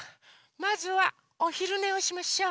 まずはおひるねをしましょう！